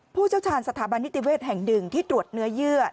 เชี่ยวชาญสถาบันนิติเวศแห่งหนึ่งที่ตรวจเนื้อเยื่อ